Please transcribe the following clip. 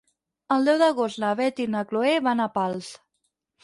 El deu d'agost na Beth i na Chloé van a Pals.